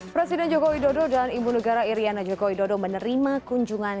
presiden jokowi dodo dan ibu negara iriana jokowi dodo menerima kunjungan